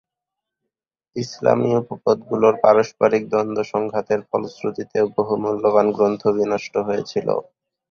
ইসলামী উপদলগুলোর পারস্পরিক দ্বন্দ্ব-সংঘাতের ফলশ্রুতিতেও বহু মূল্যবান গ্রন্থ বিনষ্ট হয়েছিল।